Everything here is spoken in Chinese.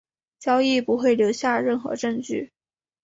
交易不会留下任何证据。